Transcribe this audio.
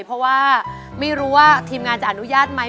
เพราะว่าไม่รู้ว่าทีมงานจะอนุญาตไหม